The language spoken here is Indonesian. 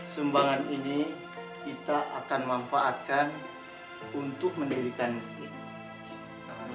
sumbangan ini kita akan manfaatkan untuk mendirikan miskin